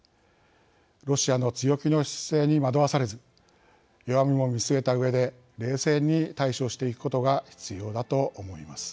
ロシアの強気の姿勢に惑わされず弱みも見据えたうえで冷静に対処していくことが必要だと思います。